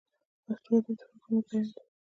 پښتو ادب د فکرونو بیان دی.